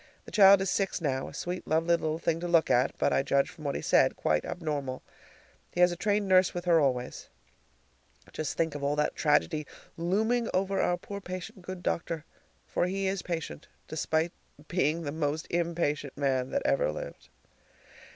The child is six now, a sweet, lovely little thing to look at, but, I judge from what he said, quite abnormal. He has a trained nurse with her always. Just think of all that tragedy looming over our poor patient good doctor, for he is patient, despite being the most impatient man that ever lived!